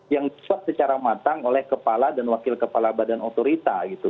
yang disuap secara matang oleh kepala dan wakil kepala badan otorita gitu